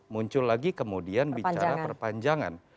muncul lagi kemudian bicara perpanjangan